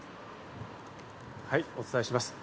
お伝えします。